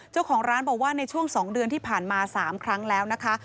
เจ้าของร้านบอกว่าในช่วง๒เดือนที่ผ่านมา๓ครั้งแล้วนะคะ